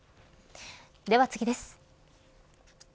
では次です。